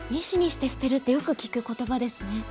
「２子にして捨てる」ってよく聞く言葉ですね。